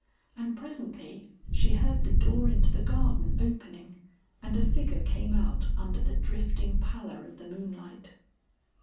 And presently she heard the door into the garden opening, and a figure came out under the drifting pallor of the moonlight.